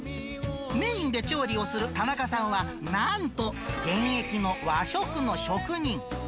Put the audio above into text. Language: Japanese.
メインで調理をする田中さんは、なんと現役の和食の職人。